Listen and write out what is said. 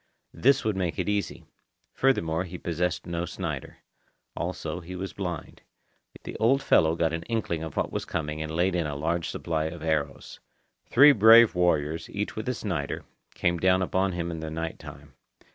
This would make it easy. Furthermore, he possessed no Snider. Also, he was blind. The old fellow got an inkling of what was coming and laid in a large supply of arrows. Three brave warriors, each with a Snider, came down upon him in the night time.